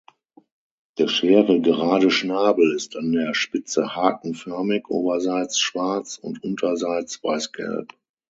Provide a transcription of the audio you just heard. Der schwere gerade Schnabel ist an der Spitze hakenförmig, oberseits schwarz und unterseits weißgelb.